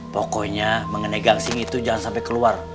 pokoknya mengenai gangsing itu jangan sampai keluar